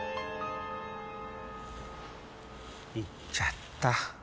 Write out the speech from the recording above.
言っちゃった。